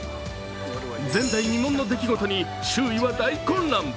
前代未聞の出来事に周囲は大混乱。